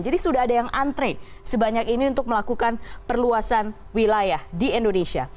jadi sudah ada yang antre sebanyak ini untuk melakukan perluasan wilayah di indonesia